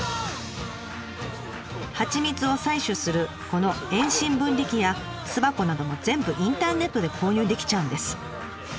蜂蜜を採取するこの遠心分離器や巣箱なども全部インターネットで購入できちゃうんです。